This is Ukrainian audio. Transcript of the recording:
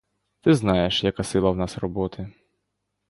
Ти знаєш, яка сила в нас роботи.